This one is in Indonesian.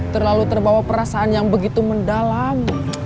terlalu terbawa perasaan yang begitu mendalam